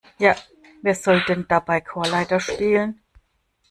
Ja, wer soll denn dabei Chorleiter spielen?